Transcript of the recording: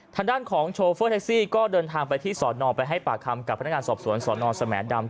ทางด้านของโชเฟอร์แท็กซี่ก็เดินทางไปที่สอนอไปให้ปากคำกับพนักงานสอบสวนสนสมดำ